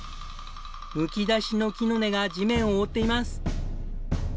むき出しの木の根が地面を覆っています。